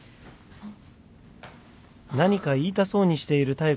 あっ。